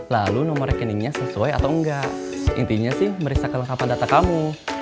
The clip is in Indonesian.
lalu nomor rekeningnya sesuai atau enggak intinya sih merisa kelengkapan data kamu